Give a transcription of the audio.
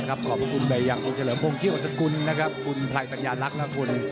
ขอบพระคุณใบยังคุณเฉลิมพงษ์ที่อดสกุลคุณไพรตัญญาลักษณะคุณ